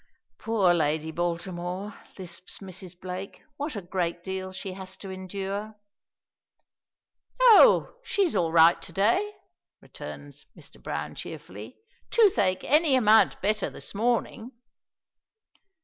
"Poor Lady Baltimore!" lisps Mrs. Blake. "What a great deal she has to endure." "Oh, she's all right to day," returns Mr. Browne, cheerfully. "Toothache any amount better this morning."